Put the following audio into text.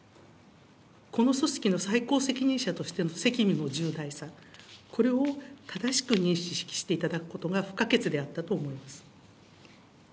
この組織の最高責任者としての責務の重大さ、これを正しく認識していただくことが不可欠であったと思います。